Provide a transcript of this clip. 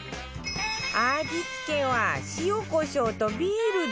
味付けは塩コショウとビールだけ